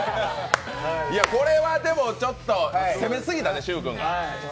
これはでもちょっと、攻めすぎたね許君が。